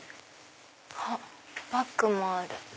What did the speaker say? バッグもある。